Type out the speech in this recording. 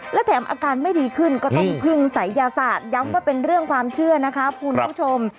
และแถมอาการไม่ดีขึ้นก็ต้องพึ่งศัยยาศาสตร์ย้ำว่าเป็นเรื่องความเชื่อนะคะคุณผู้ชม